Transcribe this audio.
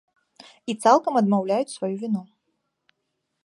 І цалкам адмаўляюць сваю віну.